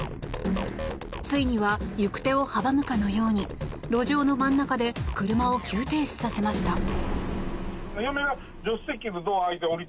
ついには行く手を阻むかのように路上の真ん中で車を急停止させました。